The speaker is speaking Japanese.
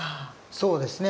そうですね。